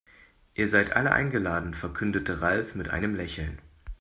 Ihr seid alle eingeladen, verkündete Ralf mit einem Lächeln.